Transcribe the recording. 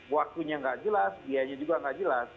waktunya nggak jelas biayanya juga nggak jelas